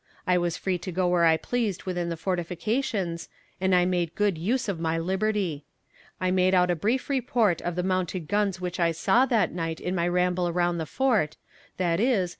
I was free to go where I pleased within the fortifications, and I made good use of my liberty. I made out a brief report of the mounted guns which I saw that night in my ramble round the fort, viz.